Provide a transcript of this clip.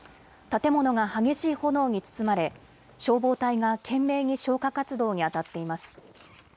建物が激しい炎に包まれ消防隊が懸命に消火活動に当たっています。